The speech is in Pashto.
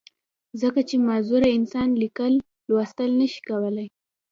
ځکه چې معذوره انسان ليکل، لوستل نۀ شي کولی